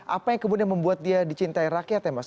apa yang kemudian membuat dia dicintai rakyat ya mas